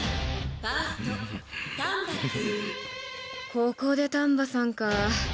ここで丹波さんかぁ。